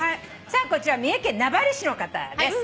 こちら三重県名張市の方です。